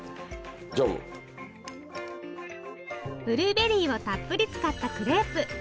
ブルーベリーをたっぷり使ったクレープ。